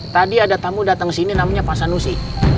tadi ada tamu dateng sini namanya pak sanusi